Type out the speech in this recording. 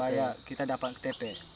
supaya kita dapat ktp